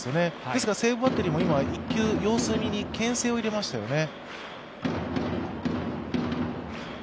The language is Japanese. ですから西武バッテリーも１球、様子見にけん制を入れましたよね。